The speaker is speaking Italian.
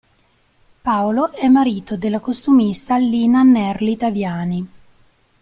Paolo è marito della costumista Lina Nerli Taviani.